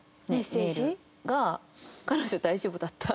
メールが「彼女大丈夫だった？」。